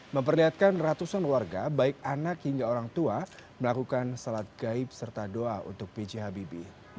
memperlihatkan ratusan warga baik anak hingga orang tua melakukan salat gaib serta doa untuk b j habibie